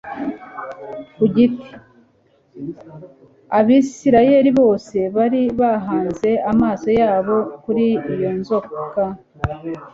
ku giti.'» Abisirayeli bose bari bahanze amaso yabo kuri iyo nzoka,